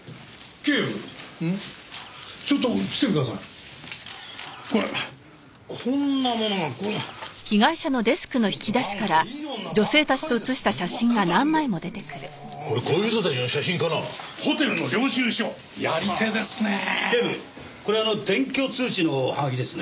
警部これあの転居通知のハガキですね。